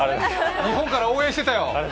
日本から応援してたよ。